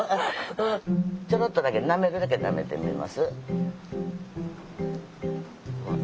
ちょろっとだけなめるだけなめてみます？